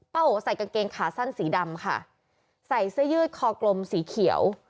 โอใส่กางเกงขาสั้นสีดำค่ะใส่เสื้อยืดคอกลมสีเขียว